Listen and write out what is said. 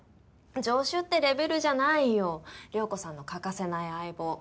助手ってレベルじゃないよ涼子さんの欠かせない相棒。